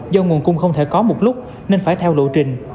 do nguồn cung không thể có một lúc nên phải theo lộ trình